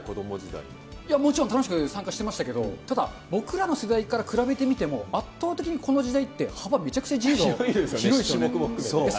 いや、もちろん楽しく参加してましたけれども、ただ僕らの世代から比べてみても、圧倒的にこの時代って、幅、めちゃくちゃ自由が広いですよね。